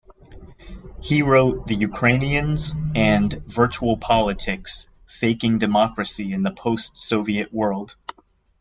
He wrote "The Ukrainians" and "Virtual Politics: Faking Democracy in the Post-Soviet World".